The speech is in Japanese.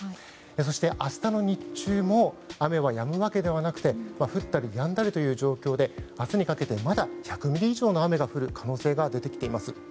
そして、明日の日中も雨はやむわけではなくて降ったりやんだりという状況で明日にかけてまだ１００ミリ以上の雨が降る可能性が出てきています。